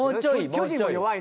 巨人が弱い。